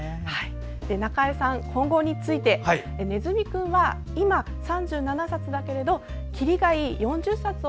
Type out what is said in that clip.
なかえさん、今後についてねずみくんは今、３７冊だけれどきりがいい４０冊を